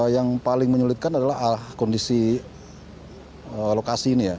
yang paling menyulitkan adalah kondisi lokasi ini ya